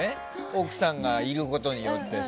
奥さんがいることによって。